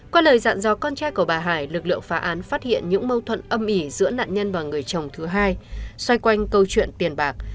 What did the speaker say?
qua lời dặn dò con trai của bà hải lực lượng phá án phát hiện những mâu thuẫn âm ỉ giữa nạn nhân và người chồng thứ hai xoay quanh câu chuyện tiền bạc